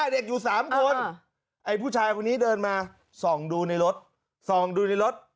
เด็กอยู่๓คนไอ้ผู้ชายคนนี้เดินมาส่องดูในรถส่องดูในรถ